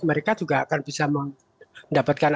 mereka juga akan bisa mendapatkan